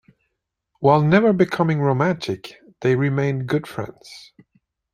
While never becoming romantic, they remained good friends.